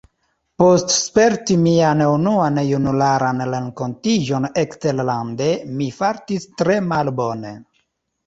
Post sperti mian unuan junularan renkontiĝon eksterlande, mi fartis tre malbone.